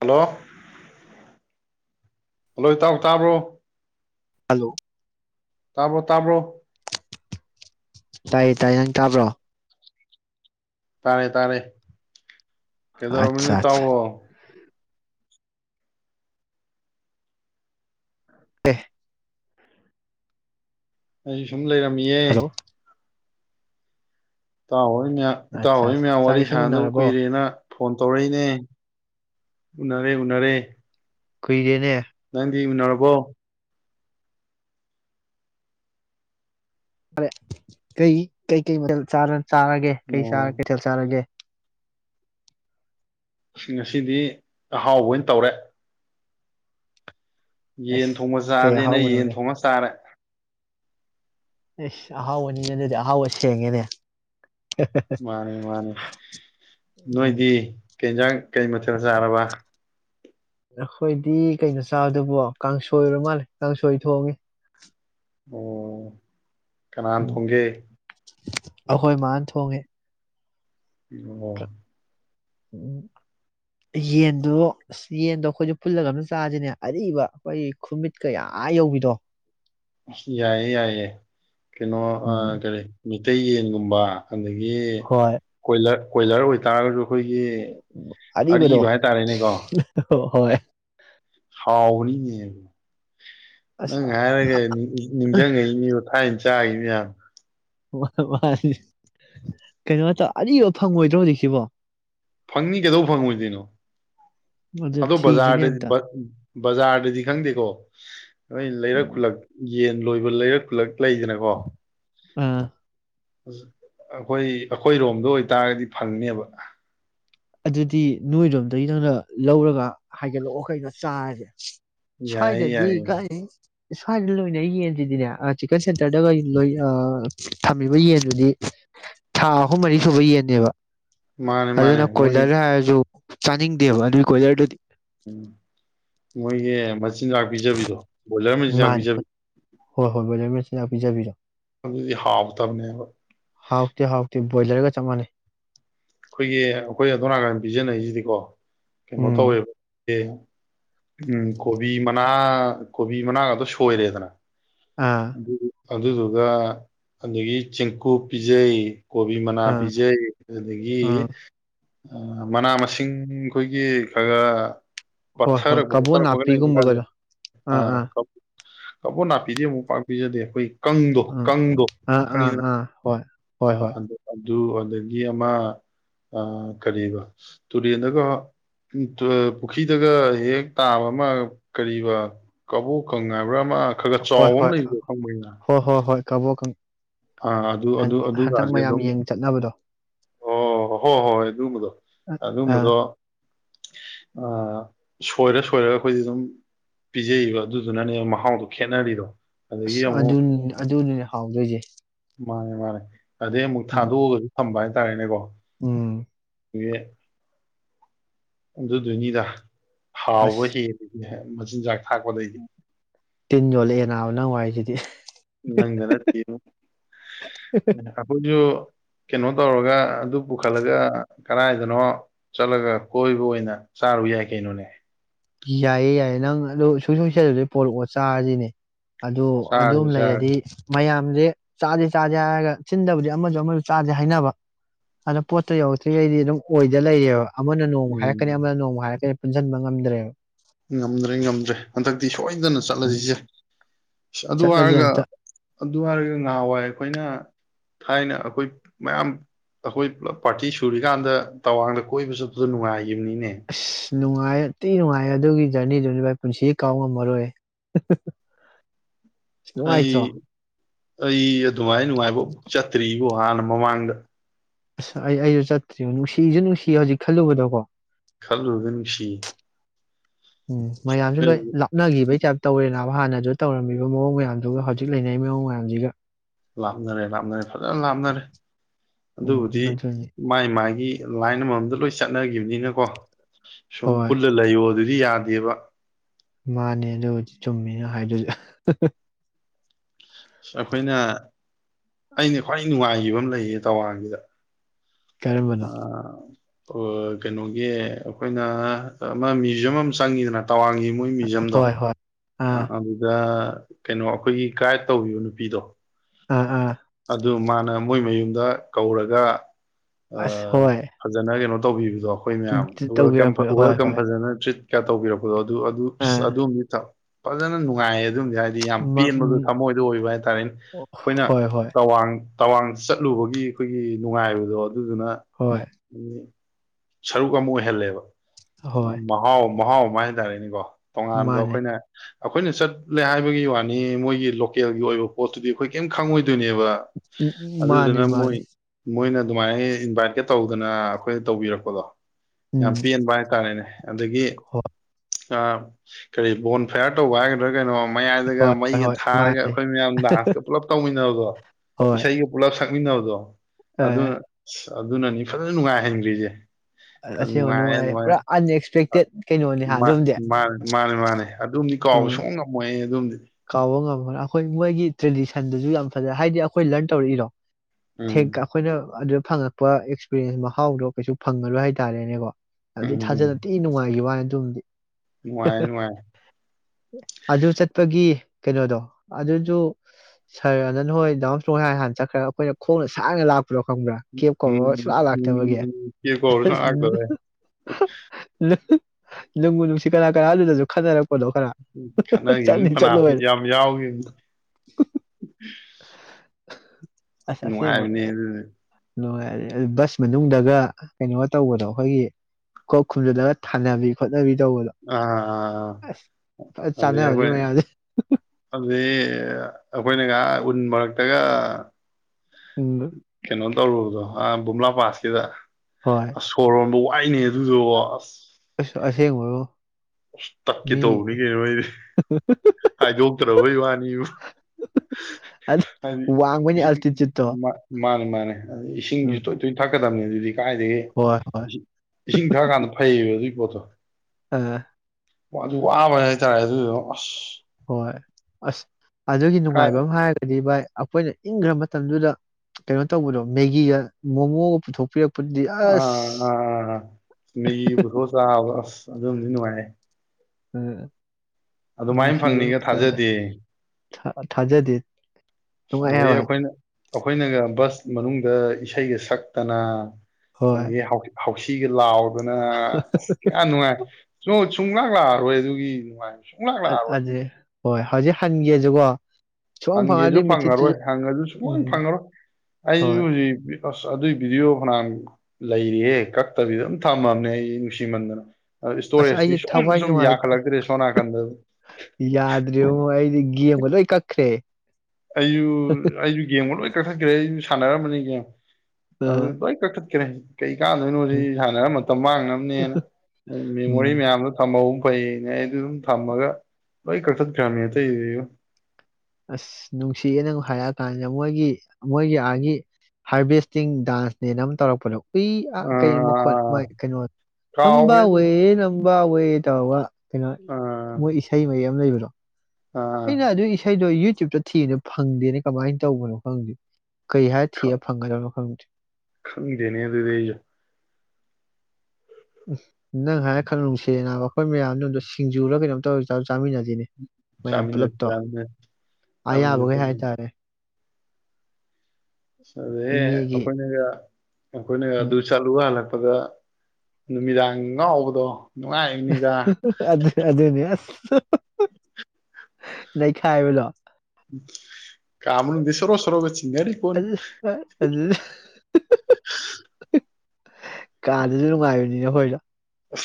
hello hello ꯏꯇꯥꯥꯎ ꯇꯥꯕ꯭ꯔꯣ hello ꯇꯥꯕꯣ ꯇꯥꯕꯣ ꯇꯥꯏꯌꯦ ꯇꯥꯏꯌꯦ ꯅꯪ ꯇꯥꯕ꯭ꯔꯣ ꯇꯥꯔꯦ ꯇꯥꯔꯦ ꯀꯩꯗꯧꯔꯝꯃꯤꯅꯣ ꯑꯠꯆꯥ ꯑꯠꯆꯥ ꯏꯇꯥꯎꯕꯣ ꯀ ꯑꯩ ꯁꯨꯝ ꯂꯩꯔꯝꯃꯤꯌꯦ ꯍꯜꯂꯣ ꯏꯇꯥꯎꯍꯣꯏ ꯅꯣꯏ ꯃꯌꯥꯝ ꯏꯇꯥꯎ ꯑꯠꯆꯥ ꯍꯣꯏ ꯑꯠꯆꯥ ꯃꯌꯥꯝ ꯆꯥꯛ ꯋꯥꯔꯤ ꯏꯁꯤꯡ ꯁꯥꯟꯅꯗꯕ ꯎꯅꯔꯕꯣ ꯀꯨꯏꯔꯦꯅ ꯐꯣꯟ ꯇꯧꯔꯛꯏꯅꯦ ꯎꯅꯔꯦ ꯎꯅꯔꯦ ꯀꯏꯔꯦꯅꯦ ꯅꯪꯗꯤ ꯎꯅꯔꯕꯣ ꯑꯔꯦ ꯀꯩ ꯀꯩ ꯀꯩ ꯃꯊꯦꯜ ꯆꯥꯔ ꯆꯥꯔꯒꯦ ꯀꯩ ꯆꯥꯔꯒꯦ ꯑꯣ ꯀꯩꯊꯦꯜ ꯆꯥꯔꯒꯦ ꯉꯁꯤꯗꯤ ꯑꯍꯥꯎꯕ ꯑꯣꯏꯅ ꯇꯧꯔꯦ ꯌꯦꯟ ꯑꯁ ꯊꯣꯡꯕ ꯀꯩ ꯆꯥꯗꯦ ꯅ ꯌꯦꯟ ꯑꯍꯥꯎꯕꯅꯣꯅꯦ ꯊꯣꯡꯉ ꯆꯥꯔꯦ ꯑꯦ ꯑꯍꯥꯎꯕꯅꯤꯅꯦ ꯑꯗꯨꯗꯤ ꯑꯍꯥꯎꯕ ꯁꯦꯡꯉꯦꯅꯦ ꯃꯥꯅꯤ ꯃꯥꯅꯤ ꯎꯝ ꯅꯣꯏꯗꯤ ꯀꯦꯟꯖꯥꯡ ꯀꯩ ꯃꯊꯦꯜ ꯆꯥꯔꯕ ꯑꯩꯈꯣꯏꯗꯤ ꯀꯩꯅꯣ ꯆꯥꯗꯕꯣ ꯀꯥꯡꯁꯣꯏꯔ ꯃꯥꯜꯂꯦ ꯀꯥꯡꯁꯣꯏ ꯊꯣꯡꯉꯦ ꯑꯣ ꯀꯅꯥꯅ ꯎꯝ ꯊꯣꯡꯒꯦ ꯑꯩꯈꯣꯏ ꯃꯥꯅ ꯊꯣꯡꯉꯦ ꯑꯣ ꯎꯝ ꯌꯦꯟꯗꯣ ꯑꯁ ꯌꯦꯟꯗꯣ ꯑꯩꯈꯣꯏꯗ ꯄꯨꯜꯂꯒ ꯑꯃꯝ ꯆꯥꯁꯤꯅꯦ ꯑꯔꯤꯕ ꯑꯩꯈꯣꯏ ꯈꯨꯔꯃꯤꯠ ꯀꯌꯥ ꯌꯧꯕꯤꯗꯣ ꯌꯥꯏ ꯌꯥꯏꯦ ꯀꯩꯅꯣ ꯑ ꯎꯝ ꯀꯔꯤ ꯃꯤꯇꯩ ꯌꯦꯟꯒꯨꯝꯕ ꯑꯗꯒꯤ ꯍꯣꯏ ꯀꯣꯏꯂꯔ ꯀꯣꯏꯂꯔ ꯑꯣꯏꯇꯥꯔꯒꯁꯨ ꯑꯩꯈꯣꯏꯒꯤ ꯑꯔꯤꯕ ꯍꯥꯏꯇꯥꯔꯦꯅꯦꯀꯣ ꯑꯣ ꯍꯣꯏ ꯍꯥꯎꯑꯣꯅꯤꯅꯦ ꯅꯪ ꯑꯁ ꯍꯥꯏꯔꯒ ꯅꯤꯡꯁꯤꯡꯉꯏ ꯃꯤ ꯊꯥꯏꯅ ꯆꯥꯈꯤ ꯃꯌꯥꯝ ꯅꯤ ꯀꯩꯅꯣ ꯇꯧ ꯑꯔꯤꯕ ꯐꯪꯉꯣꯏꯗ꯭ꯔꯣ ꯍꯧꯖꯤꯛꯁꯤꯕꯣ ꯐꯪꯅꯤ ꯀꯩꯗꯧꯕꯩ ꯐꯪꯉꫭꯏꯗꯨꯏꯅꯣ ꯑꯗꯨ ꯑꯗꯣ ꯊꯤꯁꯤꯅꯦ ꯕꯖꯥꯔꯗꯗꯤ ꯑꯝꯇ ꯕꯖꯥꯔꯗꯗꯤ ꯈꯪꯗꯦꯀꯣ ꯅ ꯂꯩꯔꯛ ꯈꯨꯜꯂꯛ ꯌꯦꯟ ꯂꯣꯏꯕ ꯂꯩꯔꯛꯂꯛ ꯂꯩꯗꯅꯀꯣ ꯑꯥ ꯑꯩꯈꯣꯏ ꯑꯩꯈꯣꯏꯔꯣꯝꯗ ꯑꯣꯏꯇꯥꯔꯒꯗꯤ ꯐꯪꯅꯦꯕ ꯑꯗꯨꯗꯤ ꯅꯣꯏꯔꯣꯝꯗꯒꯤ ꯅꯪꯅ ꯂꯧꯔꯒ ꯍꯥꯏꯒꯠꯂꯛꯑꯣ ꯀꯩꯅꯣ ꯆꯥꯔꯁꯦ ꯁꯏ ꯌꯥꯏꯌꯦ ꯇꯗꯤ ꯌꯥꯏꯌꯦ ꯀ ꯁ꯭ꯋꯥꯏꯗ ꯂꯣꯏꯅ ꯌꯦꯟꯁꯤꯗꯤꯅꯦ ꯆꯤꯛꯀꯟ ꯁꯦꯟꯇꯔꯗꯒ ꯂꯣꯏ ꯊꯝꯃꯤꯕ ꯌꯦꯟꯗꯨꯗꯤ ꯊꯥ ꯑꯍꯨꯝ ꯃꯔꯤ ꯁꯨꯕ ꯌꯦꯟꯅꯦꯕ ꯃꯥꯅꯦ ꯃꯥꯅꯦ ꯑꯗꯨꯅ ꯃꯣꯏ ꯀꯣꯏꯂꯔ ꯍꯥꯏꯔꯁꯨ ꯆꯥꯅꯤꯡꯗꯦꯕ ꯑꯗꯨꯒꯤ ꯀꯣꯏꯂꯔꯗꯨꯗꯤ ꯃꯣꯏꯒꯦ ꯃꯤꯟꯖꯥꯛ ꯄꯤꯖꯕꯤꯗꯣ ꯕꯣꯏꯂꯔ ꯃꯆꯤꯟꯖꯥꯛ ꯃꯥꯅꯦ ꯄꯤꯖꯕꯤ ꯍꯣꯏ ꯍꯣꯏ ꯕꯣꯏꯂꯔ ꯄꯤꯖꯕꯤꯔꯣ ꯑꯗꯨꯗꯨꯗꯤ ꯍꯥꯕꯇꯕꯅꯦꯕ ꯍꯥꯎꯇꯦ ꯍꯥꯎꯇꯦ ꯕꯣꯏꯂꯔꯒ ꯆꯞ ꯃꯥꯟꯅꯩ ꯑꯩꯈꯣꯏꯒꯤ ꯑꯩꯈꯣꯏ ꯑꯗꯣꯝꯅꯅꯥꯀꯥꯟꯝ ꯄꯤꯖꯟꯅꯔꯤꯁꯤꯗꯤꯀꯣ ꯀꯩꯅꯩꯅꯣ ꯎꯝ ꯇꯧꯋꯦꯕ ꯑꯦ ꯎꯝ ꯀꯣꯕꯤ ꯃꯅꯥ ꯀꯣꯕꯤ ꯃꯅꯥꯒꯗꯣ ꯁꯣꯏꯔꯦꯗꯅ ꯑꯥ ꯑꯗꯨ ꯑꯗꯨꯗꯨꯒ ꯑꯗꯒꯤ ꯆꯦꯡꯀꯨꯞ ꯄꯤꯖꯩ ꯀꯣꯕꯤ ꯃꯅꯥ ꯑꯥ ꯄꯤꯖꯩ ꯑꯗꯒꯤ ꯑꯥ ꯃꯅꯥ ꯃꯁꯤꯡ ꯑꯩꯈꯣꯏꯒꯤ ꯈꯔ ꯈ ꯍꯣꯏ ꯍꯣꯏ ꯀꯕꯣ ꯅꯥꯄꯤꯒꯨꯝꯕꯒꯗꯣ ꯑꯥ ꯑꯥ ꯀꯕꯣ ꯅꯥꯄꯤꯗꯦ ꯑꯃꯨꯛ ꯄꯥꯛꯕꯤꯖꯗꯦ ꯑꯩꯈꯣꯏ ꯀꯥꯡꯗꯣ ꯀꯗꯣ ꯑꯥ ꯑꯥ ꯑꯥ ꯈꯪꯉꯤꯅ ꯑꯥ ꯍꯣꯏ ꯍꯣꯏ ꯑ ꯍꯣꯏ ꯑꯗꯨ ꯑꯗꯨ ꯑꯗꯒꯤ ꯑꯃ ꯀꯔꯤꯕ ꯇꯨꯔꯦꯟꯗꯒ ꯄꯨꯈ꯭ꯔꯤꯗꯒ ꯍꯦꯛ ꯇꯥꯕ ꯑꯃ ꯀꯔꯤꯕ ꯀꯕꯣꯛꯀꯥꯏꯕ ꯈ ꯑꯃ ꯈꯔ ꯈꯔ ꯍꯣꯏ ꯆꯥꯎꯕ ꯍꯣꯏ ꯑꯃ ꯂꯩꯕ ꯈꯪꯕꯅ ꯍꯣꯏ ꯍꯣꯏ ꯍꯣꯏ ꯀꯕꯣ ꯑꯥ ꯑꯗꯨ ꯑꯗꯨ ꯍꯟꯗꯛ ꯑꯗꯨꯥꯁꯦ ꯃꯌꯥꯝ ꯑꯗꯨꯝ ꯌꯦꯡ ꯆꯠꯅꯕꯗꯣ ꯑꯣ ꯍꯣꯏ ꯍꯣꯏ ꯍꯣꯏ ꯑꯗꯨꯝꯕꯗꯣ ꯑꯥ ꯑꯗꯨꯝꯕꯗꯣ ꯁꯣꯏꯔ ꯁꯣꯏꯔꯒ ꯑꯩꯈꯣꯏꯗꯤ ꯑꯗꯨꯝ ꯄꯤꯖꯩꯕ ꯑꯗꯨꯗꯨꯅꯅꯦ ꯃꯍꯥꯎꯗꯣ ꯈꯦꯠꯅꯔꯤꯗꯣ ꯑꯗꯒꯤ ꯑꯁ ꯑꯗꯨꯅꯤ ꯑꯗꯨꯅꯤꯅꯦ ꯍꯥꯎꯗꯣꯏꯁꯦ ꯃꯥꯅꯦꯦ ꯃꯥꯅꯦꯦ ꯑꯗꯩ ꯑꯃꯨꯛ ꯎꯝ ꯊꯥꯗꯣꯛꯑꯒꯁꯨ ꯊꯝꯕ ꯍꯥꯏ ꯇꯔꯦꯅꯦꯕꯣ ꯎꯝ ꯌꯦꯦ ꯑꯗꯨꯗꯨꯏꯅꯤꯗ ꯍꯥꯎ ꯋꯥ ꯑꯁ ꯍ ꯃꯤꯟꯖꯦ ꯇꯤꯟ ꯌꯣꯂꯛꯅꯥꯎ ꯅꯪ ꯋꯥꯏꯁꯤ ꯀ ꯅꯪꯅ ꯑꯣꯏꯁꯨ ꯀꯩꯅꯣ ꯇꯧꯔꯒ ꯑꯗꯨ ꯄꯨꯈꯠꯂꯒ ꯀꯗꯥꯥꯏꯗꯅꯣ ꯆꯠꯂꯒ ꯀꯣꯏꯕ ꯑꯣꯏꯅ ꯆꯥꯔꯨ ꯌꯥꯏ ꯀꯩꯅꯣꯅꯦ ꯌꯥꯏꯑ ꯌꯥꯏꯌꯦ ꯅꯪ ꯑꯗꯨ ꯁꯨꯡꯁꯣꯏ ꯁꯣꯏ ꯑꯗꯨꯗꯩ ꯄꯣꯔꯛꯑꯣ ꯆꯥꯔꯁꯤꯅꯦ ꯑꯗꯨ ꯑꯗꯨꯝ ꯆꯥꯔꯁꯤ ꯆꯥꯔꯁꯤ ꯂꯩꯔꯗꯤ ꯃꯌꯥꯝ ꯆꯥꯁꯦ ꯆꯥꯁꯦ ꯍꯥꯏꯔꯒ ꯆꯤꯟꯗꯕꯨꯗꯤ ꯑꯃꯁꯨ ꯑꯃꯁꯨ ꯆꯥꯁꯦ ꯍꯥꯏꯅꯕ ꯑꯗꯣ ꯄꯣꯠꯇꯇꯣ ꯌꯧꯔꯛꯇ꯭ꯔꯤꯉꯩꯗꯤ ꯑꯗꯨꯝ ꯑꯣꯏꯗ ꯂꯩꯔꯦꯕ ꯑꯃꯅ ꯅꯣꯡꯃ ꯍꯥꯏꯔꯛꯀꯅꯤ ꯎꯝ ꯑꯃꯅ ꯅꯣꯡꯃ ꯍꯥꯏꯔꯛꯀꯅꯤ ꯄꯨꯟꯁꯤꯟꯕ ꯉꯝꯗ꯭ꯔꯦꯕ ꯉꯝꯗ꯭ꯔꯦ ꯉꯝꯗ꯭ꯔꯦ ꯍꯟꯗꯛꯇꯤ ꯁꯣꯏꯗꯅ ꯎꯝ ꯆꯠꯂꯖꯤꯁꯦ ꯏꯁ ꯑꯗꯨ ꯆꯠꯂꯁꯦ ꯍꯥꯏꯔꯒ ꯑꯝꯇ ꯑꯗꯨ ꯍꯥꯏꯔꯒ ꯉꯍꯥꯟꯋꯥꯏ ꯑꯩꯈꯣꯏꯅ ꯊꯥꯏꯅ ꯑꯩꯈꯣꯏ ꯃꯌꯥꯝ ꯑꯩꯈꯣꯏ ꯄꯨꯂꯞ ꯄꯥꯔꯇꯤ ꯁꯨꯔꯤꯀꯥꯟꯗ ꯇꯋꯥꯡꯗ ꯀꯣꯏꯕ ꯆꯠ ꯑꯗꯨꯗ ꯅꯨꯡꯉꯥꯏ ꯏꯅꯤꯅꯦ ꯅꯨꯡꯉꯥꯏꯌꯦ ꯅꯨꯡꯉꯥꯏ ꯑꯗꯨꯒꯤ ꯖꯔꯅꯤꯗꯨꯗꯤ ꯚꯥꯏ ꯄꯨꯟꯁꯤ ꯀꯥꯎ ꯉꯝꯃꯔꯣꯏ ꯁꯤ ꯑꯩ ꯅꯨꯡꯉꯥꯏꯇ꯭ꯔꯣ ꯑꯩ ꯑꯗꯨꯃꯥꯏ ꯅꯨꯡꯉꯥꯏꯕ ꯆꯠꯇ꯭ꯔꯤꯕꯣ ꯍꯥꯟꯅ ꯃꯃꯥꯡꯗ ꯑꯁ ꯑꯩ ꯑꯩꯁꯨ ꯆꯠꯇ꯭ꯔꯤꯣ ꯅꯨꯡꯁꯤꯁꯨ ꯅꯨꯡꯁꯤꯌꯦ ꯍꯧꯖꯤꯛ ꯈꯜꯂꯨꯕꯗꯣꯀꯣ ꯈꯜꯂꯨꯔꯥꯒ ꯂꯨꯡꯁꯤ ꯎꯝ ꯃꯌꯥꯝꯁꯨ ꯂꯣꯏ ꯂꯥꯞꯅꯈꯤꯕꯩ ꯇꯞ ꯇꯧꯔꯦ ꯅꯥꯕꯥ ꯍꯥꯟꯅꯁꯨ ꯇꯧꯝꯃꯤ ꯃꯑꯣꯡ ꯃꯌꯥꯝꯗꯨꯒ ꯍꯧꯖꯤꯛ ꯂꯩꯅꯩ ꯃꯑꯣꯡ ꯍꯥꯡꯖꯤꯒ [inaudible] ꯂꯥꯞꯅꯔꯦ ꯂꯥꯞꯅꯔꯦ ꯐꯖꯅ ꯂꯥꯞꯅꯔꯦ ꯎꯝ ꯑꯗꯨꯕꯨꯗꯤ ꯑꯗꯨꯅꯤ ꯃꯥꯏ ꯃꯥꯥꯏꯒꯤ ꯂꯥꯏꯟ ꯑꯃꯃꯝꯗ ꯂꯣꯏꯅꯥ ꯆꯠꯅꯈꯤꯕꯅꯤ ꯀꯣ ꯁꯨꯝ ꯍꯣꯏ ꯄꯨꯜꯂ ꯂꯩꯌꯣ ꯑꯗꯨꯗꯤ ꯌꯥꯗꯦꯕ ꯃꯥꯅꯦ ꯑꯗꯨꯕꯨꯗꯤ ꯆꯨꯝꯃꯃꯦ ꯅꯪꯅ ꯍꯥꯏꯗꯨꯁꯨ ꯑꯩꯈꯣꯏꯅ ꯑꯩꯅ ꯈ꯭ꯋꯥꯏ ꯅꯨꯡꯉꯥꯏꯈꯤꯕ ꯑꯃ ꯂꯩꯌꯦ ꯇꯋꯥꯡꯒꯤꯗ ꯀꯦꯔꯝꯕꯅꯣ ꯑꯥ ꯀꯩꯅꯣꯒꯤ ꯑꯩꯈꯣꯏꯅ ꯑꯃ ꯃ꯭ꯌꯨꯖꯌꯝ ꯑꯃ ꯆꯪꯉꯤꯗꯅ ꯇꯋꯥꯡꯉ ꯃꯣꯏ ꯃ꯭ꯌꯨꯖꯌꯝꯗꯣ ꯍꯣꯏ ꯍꯣꯏ ꯑꯥ ꯑꯗꯨꯗ ꯀꯩꯅꯣ ꯑꯩꯈꯣꯏꯒꯤ ꯒꯥꯏꯗ ꯇꯧꯕꯤꯕ ꯅꯨꯄꯤꯗꯣ ꯑꯥ ꯑꯥ ꯑꯗꯨ ꯃꯥꯅ ꯃꯣꯏ ꯃꯌꯨꯝꯗ ꯀꯧꯔꯒ ꯑꯁ ꯑꯥ ꯍꯣꯏ ꯐꯥꯖꯅꯔꯦꯕ ꯇꯧꯕꯤꯕꯗꯣ ꯑꯩꯈꯣꯏ ꯇꯧꯕꯤꯔꯛꯄ ꯃꯌꯥꯝꯋ ꯍꯣꯏ ꯋꯦꯜꯀꯝ ꯍꯣꯏ ꯐꯖꯅ ꯇ꯭ꯔꯤꯠ ꯀꯌꯥ ꯇꯧꯕꯤꯔꯛꯄꯣ ꯑꯗꯨ ꯑꯗꯨ ꯑ ꯑꯗꯨꯝꯅꯤꯗꯥ ꯐꯖꯅ ꯅꯨꯡꯉꯥꯏ ꯑꯗꯨꯝꯁꯦ ꯍꯥꯏꯗꯤ ꯌꯥꯝ ꯃ ꯄꯦꯟꯕꯗ ꯎꯝ ꯊꯃꯣꯏꯗꯣ ꯑꯣꯏꯕ ꯍꯥꯏꯇꯥꯔꯦꯅꯦ ꯑꯩꯈꯣꯏꯅ ꯍꯣꯏ ꯍꯣꯏ ꯇꯋꯥꯡ ꯇꯋꯥꯡ ꯆꯠꯂꯨꯕꯒꯤ ꯑꯩꯈꯣꯏꯒꯤ ꯅꯨꯡꯉꯥꯏꯕꯗꯣ ꯨꯒꯅꯥꯅꯤ ꯍꯣꯏ ꯁꯔꯨꯛ ꯑꯃ ꯑꯣꯏꯍꯜꯂꯦꯕ ꯍꯣꯏ ꯃꯍꯥꯎ ꯃꯍꯥꯎꯑꯣ ꯀꯃꯥꯏꯅꯇꯥꯔꯦꯅꯤꯀꯣ ꯇꯣꯉꯥꯟꯕ ꯃꯥꯅꯦ ꯑꯩꯈꯣꯏꯅ ꯑꯩꯈꯣꯏꯅ ꯆꯠꯂꯦ ꯍꯥꯏꯕꯒꯤ ꯋꯥꯅꯤ ꯃꯣꯏꯒꯤ ꯂꯣꯀꯦꯜꯒꯤ ꯑꯣꯏꯕ ꯄꯣꯠꯇꯨꯗꯤ ꯑꯩꯈꯣꯏ ꯀꯔꯤꯝ ꯈꯪꯉꯣꯏ ꯑꯗꯨꯅꯦꯕ ꯃꯥꯅꯦ ꯑꯗꯨꯗꯨꯅ ꯃꯥꯅꯦ ꯃꯣꯏ ꯃꯣꯏꯅ ꯑꯗꯨꯃꯥꯏꯅ ꯏꯟꯚꯥꯏꯠꯀ ꯇꯧꯗꯅ ꯑꯩꯈꯣꯏ ꯇꯧꯕꯤꯔꯛꯄꯗꯣ ꯎꯝ ꯌꯥꯝ ꯄꯦꯟꯕ ꯍꯥꯏꯇꯥꯔꯦꯅꯦ ꯑꯗꯒꯤ ꯍꯣꯏ ꯑ ꯀꯔꯤ ꯕꯣꯟ ꯐꯌꯥꯔ ꯇꯧꯕ ꯍꯥꯏꯒꯗ꯭ꯔꯥ ꯀꯩꯅꯣ ꯃꯌꯥꯏꯗꯒ ꯍꯣꯏ ꯍꯣꯏ ꯃꯩꯒ ꯍꯣꯏ ꯊꯥꯔꯒ ꯃꯥꯅꯦ ꯑꯩꯈꯣꯏ ꯃꯌꯥꯝ ꯗꯥꯟꯁꯀ ꯄꯨꯂꯞ ꯇꯧꯃꯤꯟꯅꯕꯗꯣ ꯍꯣꯏ ꯏꯁꯩꯒ ꯄꯨꯂꯞ ꯁꯛ ꯅꯧꯗꯣ ꯑ ꯑ ꯑꯗꯨꯅꯅꯤ ꯐꯖꯅ ꯅꯨꯡꯉꯥꯏꯍꯟꯈ꯭ꯔꯤꯁꯦ ꯑꯁꯦꯡꯕ ꯅꯨꯡꯉꯥꯏ ꯅꯨꯡꯉꯥꯏꯔ ꯑꯗꯨꯃꯥꯏꯅ ꯄꯨꯔꯥ ꯑꯟꯑꯛꯁꯄꯦꯛꯇꯦꯠ ꯀꯩꯅꯣꯅꯤ ꯍꯥꯏꯥꯟ ꯃꯥ ꯑꯗꯨꯝꯗꯤ ꯎꯝ ꯀꯥꯎꯁꯨꯝꯅꯕꯝ ꯃꯣꯏ ꯑꯗꯨꯣꯗꯤ ꯀꯥꯎꯕ ꯉꯝꯕꯅ ꯑꯩꯈꯣꯏ ꯃꯣꯏꯒꯤ ꯇ꯭ꯔꯦꯗꯤꯁꯟꯗꯁꯨ ꯌꯥꯝ ꯐꯖꯩꯦ ꯍꯥꯏꯗꯤ ꯑꯩꯈꯣꯏ ꯂꯔꯟ ꯇꯧꯔꯛꯏꯔꯣ ꯊꯦꯡ ꯎꯝ ꯑꯩꯈꯣꯏꯅ ꯑꯗꯨ ꯐꯪꯉꯛꯄ ꯑꯦꯛꯁꯄꯤꯔꯤꯌꯦꯟꯁ ꯃꯍꯥꯎꯗꯣ ꯀꯩꯁꯨ ꯐꯪꯉꯔꯣꯏ ꯍꯥꯏꯇꯥꯔꯦꯅꯦꯀꯣ ꯑꯗꯨꯩ ꯎꯝ ꯊꯥꯖꯜꯂꯗꯤ ꯅꯨꯡꯉꯥꯏꯈꯤ ꯋꯥ ꯗꯤ ꯅꯨꯡꯉꯥꯏ ꯅꯨꯡꯉꯥꯏ ꯑꯖꯤꯕꯨ ꯆ ꯑꯗꯨ ꯀꯩꯅꯣꯗꯣ ꯑꯗꯨꯁꯨ ꯁꯥꯔꯅ ꯅ ꯍꯣꯏ ꯗꯥꯎ ꯁ ꯍꯥꯟꯅ ꯍꯥꯟꯅ ꯆꯠꯈ꯭ꯔ ꯑꯩꯈꯣꯏꯅ ꯈꯣꯡꯅ ꯁꯥꯡꯅ ꯂꯥꯛꯄ ꯂꯣ ꯈꯪꯕ꯭ꯔꯥ ꯀꯦꯞ ꯀ ꯎꯝ ꯁꯨꯡꯂꯥ ꯂꯥꯛꯇꯕꯒꯤ ꯎꯝ ꯀꯦ ꯀꯧꯔ ꯁꯨꯡꯂꯥꯛ ꯂꯥꯛꯇꯕ ꯅꯨꯡꯕꯨꯨ ꯅꯨꯡꯁꯤ ꯀꯅꯥ ꯀꯔ ꯑꯗꯨꯗꯁꯨ ꯈꯠꯅꯔꯛ ꯍꯗꯣ ꯈꯔ ꯆꯠꯅꯤ ꯆꯠꯂꯣꯏꯔꯦ ꯐꯅꯥꯄꯖꯥ ꯃ ꯌꯥꯥꯎꯒꯦ ꯑꯁ ꯅꯅꯨꯡ ꯑꯁꯦꯡꯕ ꯍꯥꯏꯅꯦ ꯑꯗꯨ ꯅꯨꯡꯉꯥꯏꯔꯦ ꯑꯗꯨ ꯕꯁ ꯃꯅꯨꯡꯗꯒ ꯀꯩꯅꯣꯒ ꯇꯧꯕꯗꯣ ꯑꯩꯈꯣꯏꯒꯤ ꯀꯣꯛ ꯈꯨꯝꯖꯤꯜꯂꯒ ꯊꯥꯅꯕꯤ ꯈꯣꯠ ꯆꯠꯅꯕꯤ ꯇꯧꯕꯗꯣ ꯑꯥ ꯑꯁ ꯐ ꯆꯥꯟꯅꯕꯅꯤ ꯃꯌꯥꯝꯗ ꯑꯗꯨꯗꯤ ꯑꯩꯈꯣꯏꯅ ꯉꯥꯏꯍꯥꯛ ꯎꯟ ꯃꯔꯛꯇꯒ ꯎꯝ ꯀꯩꯅꯣ ꯇꯧꯔꯨꯕꯗꯣ ꯑ ꯕꯨꯝꯝꯂꯥ ꯄꯥꯠꯁꯤꯗ ꯍꯣꯏ ꯑ ꯁꯣꯔꯣꯟꯕꯨ ꯍꯥꯏꯥꯏꯅꯦ ꯋꯥ ꯊꯦꯡ ꯑꯣꯏ ꯑꯁ ꯇꯛꯀꯦ ꯇꯧꯕꯅꯤ ꯀꯩꯅꯣ ꯑꯩꯗꯤ ꯍꯥꯏꯗꯣꯛꯇꯔꯕꯩ ꯋꯥꯅꯤꯕꯨ ꯍꯥꯏꯗꯤ ꯋꯥꯡꯕꯅꯤ ꯏꯁꯤꯡ ꯑꯜꯇꯤꯆꯨꯠꯇꯣ ꯃꯥꯅꯦ ꯃꯥꯅꯦ ꯏꯁꯤꯡꯁꯨ ꯎꯝ ꯇꯣꯏ ꯇꯣꯏꯅ ꯊꯥꯛ ꯀꯗꯃꯃꯤꯗꯤ ꯍꯣꯏ ꯍꯣꯏ ꯀꯥꯏꯗꯒꯤꯁꯤꯡ ꯏꯁꯤꯡ ꯊꯛꯑꯀꯥꯟꯗ ꯐꯩꯌꯦꯕ ꯑꯗꯨꯒꯤ ꯀꯠꯇꯣ ꯑꯝ ꯑꯗꯨ ꯋꯥꯕ ꯍꯥꯏꯇꯥꯔꯦ ꯑꯗꯨꯗꯨꯅ ꯑꯁ ꯍꯣꯏ ꯑꯁ ꯑꯗꯨꯒꯤ ꯀꯥꯏ ꯅꯨꯡꯉꯥꯏꯕ ꯑꯃ ꯍꯥꯏꯔꯒꯗꯤ ꯚꯥꯏ ꯑꯩꯈꯣꯏꯅ ꯏꯪꯈ꯭ꯔ ꯃꯇꯝꯗꯨꯗ ꯀꯩꯅꯣ ꯇꯧꯕꯗꯣ ꯃꯦꯒꯤꯗ ꯃꯣꯃꯣꯒ ꯄꯨꯊꯣꯛꯄꯤꯔꯛꯄ ꯑ ꯑ ꯃꯤꯒꯤ ꯊꯣꯁꯥꯕ ꯑꯗꯨꯝꯗꯤ ꯅꯨꯡꯉꯥꯏꯔꯦ ꯍꯝ ꯑꯗꯨꯃꯥꯏꯅ ꯐꯪꯅꯤꯒ ꯊꯥꯖꯗꯦ ꯊ ꯊꯥꯖꯗꯤ ꯑꯗꯗꯒꯤ ꯑꯩꯈꯣꯏꯅ ꯑꯩꯈꯣꯏꯅꯒ ꯕꯁ ꯃꯅꯨꯡꯗ ꯏꯁꯩꯒ ꯁꯛꯇꯅ ꯑ ꯍꯣꯏ ꯍꯧ ꯍꯧꯎꯁꯤ ꯁꯤꯒ ꯂꯥꯎ ꯑꯗꯨꯅ ꯌꯥꯝ ꯅꯨꯡꯉꯥꯏ ꯁꯨꯡ ꯂꯥꯛ ꯂꯥꯛꯑꯔꯣꯏ ꯑꯗꯨ ꯅꯨꯡꯉꯥꯏ ꯑꯗꯨ ꯍꯣꯏ ꯍꯧꯖꯤꯛ ꯍꯟꯒꯦꯁꯤꯀꯣ ꯍꯪꯒꯦꯁꯨ ꯐꯪꯉꯔꯣꯏ ꯍꯪꯉꯁꯨ ꯁꯨꯡꯃꯥꯡ ꯎꯝ ꯐꯪꯉꯔꯣꯏ ꯑꯩꯁꯨ ꯍꯣꯏ ꯍꯧꯖꯤꯛ ꯑꯁ ꯑꯗꯨꯏ ꯚꯤꯗꯤꯑꯣ ꯐꯅꯥꯥꯟ ꯂꯩꯔꯤꯍꯦ ꯀꯛꯇꯕꯤꯗ ꯑꯗꯨꯝ ꯊꯝꯃꯕꯅꯦ ꯑꯩ ꯅꯨꯡꯁꯤꯃꯟꯗꯅ ꯑꯁ ꯏꯁꯇꯣꯔꯦꯖꯇꯤ ꯑꯩꯁ ꯁꯨꯝ ꯊꯋꯥꯏ ꯁꯨꯝ ꯅꯨꯡꯉꯥꯏꯇ ꯌꯥꯈꯠꯂꯛꯇ꯭ꯔꯦ ꯁꯣꯝ ꯅꯥꯀꯟꯗ ꯌꯥꯗ꯭ꯔꯔꯤꯕ ꯑꯩꯗꯤ ꯒꯦꯝꯕ ꯂꯣꯏ ꯀꯛꯈ꯭ꯔꯦ ꯑꯩꯁꯨ ꯑꯩꯁꯨ ꯌꯦꯝꯕ ꯂꯣꯏ ꯀꯛꯊꯠꯈ꯭ꯔꯦ ꯑꯩꯁꯨ ꯁꯥꯟꯅꯔꯝꯕꯅꯤ ꯀ ꯑ ꯑꯗꯨꯏ ꯀ ꯀ꯭ꯔꯦ ꯀꯩ ꯀꯥꯟꯗꯣꯏꯅꯣ ꯁꯤ ꯎꯝ ꯁꯥꯟꯅꯔꯒ ꯃꯇꯝ ꯃꯥꯡꯅꯕꯅꯦꯅ ꯃꯦꯃꯣꯔꯤ ꯎꯝ ꯃꯌꯥꯝꯗꯣ ꯊꯝꯍ ꯐꯩꯅꯦ ꯑꯩꯗ ꯑꯗꯨꯝ ꯊꯝꯃꯒ ꯂꯣꯏ ꯀꯛꯊꯠꯈ꯭ꯔꯕꯅꯦ ꯑꯇꯩꯗꯨ ꯑꯁ ꯅꯨꯡꯁꯤꯑꯦꯅ ꯍꯥꯏꯔꯛꯑꯀꯥꯟꯁꯤꯗ ꯃꯣꯏꯒꯤ ꯃꯣꯏꯒꯤ ꯑꯥꯒꯤ ꯍꯥꯔꯚꯦꯁꯇꯤꯡ ꯗꯥꯟꯁꯅꯦꯅ ꯑꯃ ꯇꯧꯔꯛꯄꯗꯣ ꯏ ꯀꯩꯅꯣ ꯃꯈꯣꯠ ꯑꯥ ꯀꯩꯅꯣ ꯀꯥꯎꯈ꯭ꯔꯦ ꯑꯗꯨ ꯅꯕꯥꯋꯦ ꯅꯕꯥ ꯑꯣꯏꯣꯏ ꯇꯕ ꯀꯩꯅꯣ ꯑꯥ ꯃꯣꯏ ꯏꯁꯩ ꯃꯌꯦꯛ ꯑꯃ ꯂꯩꯕ꯭ꯔꯣ ꯑꯥ ꯑꯩꯅ ꯑꯗꯨ ꯏꯁꯩꯗꯣ ꯌꯨ ꯌꯨꯇꯌꯨꯕꯇ ꯊꯤꯅ ꯐꯪꯗꯦꯅ ꯀꯃꯥꯏꯅ ꯇꯧꯕꯅꯣ ꯐꯪꯗꯦ ꯀꯔꯤ ꯍꯥꯏ ꯊꯤꯔ ꯐꯪꯒꯗꯣ ꯃꯐꯝ ꯈꯪꯗꯅꯦꯗꯗ ꯌꯥ ꯎꯝ ꯅꯪ ꯍꯥꯏꯔ ꯈꯪ ꯅꯨꯡꯁꯕ ꯑꯩꯈꯣꯏ ꯃꯌꯥꯝꯗꯨꯗ ꯁꯤꯡꯖꯨꯒ ꯀꯩꯅꯣꯝ ꯇꯧꯔ ꯆꯥꯃꯤꯟꯅꯁꯤꯅꯦ ꯃꯌꯥꯝ ꯆꯥꯃꯤꯟꯅꯁꯤ ꯄꯨꯂꯞꯇꯣ ꯆꯥꯃꯤꯟꯅꯁꯤ ꯑꯌꯥꯕꯈꯩ ꯆꯥꯃꯤꯟꯅꯁꯤ ꯍꯥꯏꯇꯥꯔꯦ ꯑꯗꯨꯗꯦ ꯏꯅꯦꯒꯤ ꯄꯈꯅꯒ ꯑꯩꯣꯏꯅ ꯎꯝ ꯑꯗꯨꯨꯏ ꯆꯜ ꯂꯍ ꯍꯜꯒ ꯄꯗ ꯅꯨꯃꯤꯗꯥꯡ ꯉꯥꯎꯕꯗꯣ ꯅꯨꯡꯉꯥꯏꯕꯅꯤꯗ ꯗ ꯑꯗꯨꯗꯅꯦ ꯂꯩꯈꯥꯏꯕꯗꯣ ꯀꯃꯅ ꯁꯣꯔꯣ ꯁꯔꯒꯁꯤ ꯑꯗꯨ ꯑꯗꯨ ꯀꯥꯗꯗꯤ ꯅꯨꯡꯉꯥꯏꯕꯅꯤꯅꯦ ꯍꯣꯏꯗ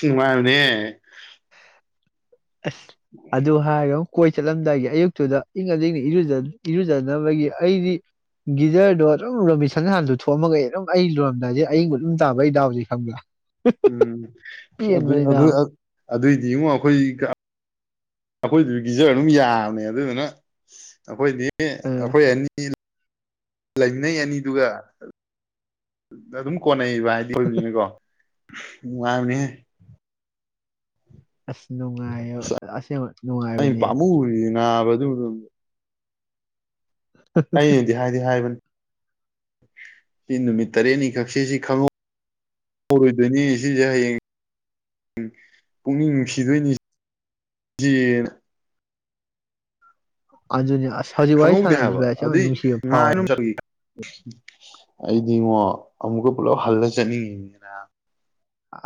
ꯎ ꯃꯥꯅꯦ ꯑꯁ ꯑꯗꯨ ꯑꯗꯨ ꯍꯥꯏꯥꯎ ꯀꯣꯏ ꯆꯠꯂꯝꯗꯥꯏꯒꯤ ꯑꯌꯨꯛꯇꯨꯗ ꯏꯪꯉꯗꯤ ꯑꯩꯅ ꯏꯔꯨꯖꯅꯕꯒꯤ ꯑꯩꯗꯤ ꯒꯤꯖꯔꯗꯣ ꯑꯗꯨꯝ ꯔꯣꯃꯤꯁꯟ ꯍꯥꯟ ꯂꯨꯊꯣꯛꯑꯃꯒ ꯑꯗꯨꯝ ꯑꯩ ꯂꯣꯏꯔꯝꯗꯥꯏꯗ ꯑꯌꯤꯡꯕ ꯑꯗꯨꯝ ꯇꯥꯕ ꯑꯩ ꯗꯥꯎꯖꯦ ꯈꯪꯕ꯭ꯔꯥ ꯎꯝ ꯑꯗꯨ ꯄꯦꯟꯕꯅꯤ ꯑꯗꯨ ꯅꯥꯕ ꯑꯗꯨꯏꯗꯤ ꯑꯃꯨꯛ ꯑꯩꯈꯣꯏ ꯑꯩꯈꯣꯏꯗꯨꯗꯤ ꯒꯤꯖꯔ ꯑꯗꯨꯝ ꯌꯥꯝꯕꯅꯦ ꯑꯗꯨꯗꯨꯅ ꯑꯩꯈꯣꯏꯗꯤ ꯑ ꯑꯩꯈꯣꯏ ꯑꯦꯅꯤ ꯂꯩꯅꯩ ꯑꯅꯤꯗꯨꯒ ꯑꯗꯨꯝ ꯀꯣꯟꯅ ꯩꯕ ꯍꯥꯏꯗꯤ ꯑꯣꯏꯕꯅꯤꯅꯤꯀꯣ ꯉꯅꯦ ꯑꯁ ꯅꯨꯡꯉꯥꯏꯌꯦ ꯑꯁꯦꯡ ꯅꯨꯡꯉꯥꯏꯕꯅꯦ ꯅꯥꯕꯗꯨꯕꯨ ꯑꯩꯅꯗꯤ ꯍꯥꯏꯗꯤ ꯍꯥꯏꯕꯅꯤ ꯁꯤ ꯅꯨꯃꯤꯠ ꯇꯔꯦꯠꯅꯤꯈꯛꯁꯦ ꯁꯤ ꯈꯪꯍꯧꯍꯧꯔꯣꯏꯗꯣꯏꯅꯤ ꯁꯤꯁꯦ ꯍꯌꯦꯡ ꯄꯨꯛꯅꯤꯡ ꯅꯨꯡꯁꯤꯗꯣꯏꯅꯤ ꯁꯤ ꯑꯗꯨꯅꯤ ꯍꯧꯖꯤꯛ ꯋꯥꯔꯤ ꯈꯪꯍꯧꯗꯦ ꯁꯥꯟꯅꯕꯁꯦ ꯚꯥꯏ ꯑꯁꯦꯡꯕꯩꯁꯨ ꯅꯨꯡꯁꯤꯕ ꯐꯥꯎꯋꯦꯕ ꯑꯩꯗꯤ ꯏꯡꯉꯣ ꯑꯃꯨꯛꯀ ꯄꯨꯂꯞ ꯍꯜꯂ ꯆꯠꯅꯤꯡꯉꯤꯅꯤꯅ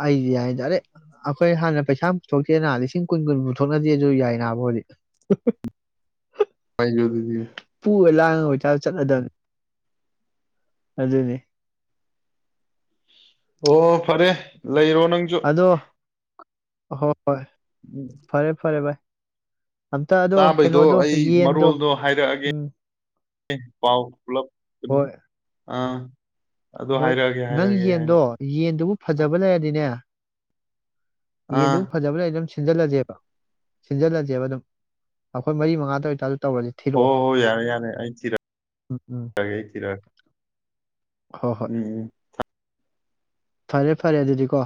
ꯑꯩꯗꯤ ꯍꯥꯏ ꯗꯥꯏꯔꯦꯛ ꯑꯩꯈꯣꯏ ꯍꯥꯟꯅ ꯄꯩꯁꯥ ꯄꯨꯊꯣꯛꯇꯦꯅ ꯂꯤꯁꯤꯡ ꯀꯨꯟ ꯀꯨꯟꯃꯨꯛ ꯊꯣꯛꯅꯖꯦꯖꯨ ꯌꯥꯏ ꯅꯥꯕꯗꯤ ꯑꯩꯁꯨ ꯗꯨꯁꯨ ꯂꯥꯡꯉꯒ ꯑꯣꯏꯇꯥ ꯆꯠꯅꯗꯕꯅꯤ ꯑꯗꯨꯅꯤ ꯑꯣ ꯐꯔꯦ ꯂꯩꯔꯣ ꯅꯪꯁꯨ ꯍ ꯍꯣꯏ ꯐꯔꯦ ꯐꯔꯦ ꯚꯥꯏ ꯑꯝꯇ ꯑꯗꯣ ꯆꯥꯕꯩꯗꯣ ꯀꯩꯅꯣꯗꯣ ꯑꯩ ꯌꯦꯟꯗꯣ ꯃꯔꯣꯜꯗꯣ ꯍꯥꯏꯔꯛꯑꯒꯦ ꯎꯝ ꯄꯥꯎ ꯄꯨꯂꯞ ꯍꯣꯏ ꯑꯥ ꯑꯗꯨ ꯍꯣꯏ ꯍꯥꯏꯔꯛꯑꯒꯦ ꯅꯪ ꯍꯥꯏꯔꯛꯑꯒꯦ ꯌꯦꯟꯗꯣ ꯍꯥꯏꯔꯛꯑꯒꯦ ꯌꯦꯟꯗꯨꯕꯨ ꯐꯖꯕ ꯂꯩꯔꯗꯤꯅꯦ ꯑꯥ ꯌꯦꯟꯗ ꯨꯃꯨꯛ ꯐꯖꯕ ꯁꯤꯟꯖꯜꯂꯁꯦꯕ ꯁꯤꯟꯖꯜꯂꯁꯦꯕ ꯑꯗꯨꯝ ꯑꯩꯈꯣꯏ ꯃꯔꯤ ꯃꯉꯥꯗ ꯑꯣꯏꯇꯥꯔ ꯍꯣ ꯍꯣ ꯌꯥꯔꯦ ꯌꯥꯔꯦ ꯑꯩꯩꯅ ꯎꯝ ꯎꯝ ꯊꯤꯔꯛꯒꯦ ꯑꯩ ꯊꯤꯔꯛꯒꯦ ꯍꯣꯏ ꯍꯣꯏ ꯐꯔꯦ ꯐꯔꯦ ꯑꯗꯨꯗꯤ ꯀꯣ